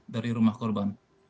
dari rumah korban